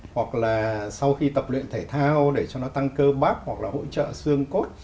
hoặc là sau khi tập luyện thể thao để cho nó tăng cơ bác hoặc là hỗ trợ xương cốt